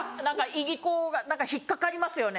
いりこが引っかかりますよね。